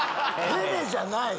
⁉ヘネじゃない。